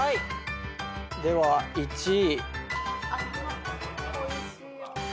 では１位。